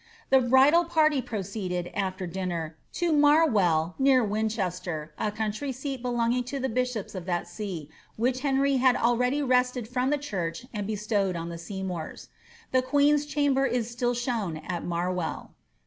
The bridal party proceeded, after dinner, to Marwcll, near Winchester, a country seat belonging to the bisliops of that see, which Henry had already wrested from the church and bestowed on the Seymours. The queen's chamber is still shown at Marwell.